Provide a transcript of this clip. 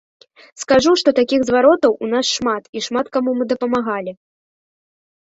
Скажу, што такіх зваротаў у нас шмат, і шмат каму мы дапамаглі.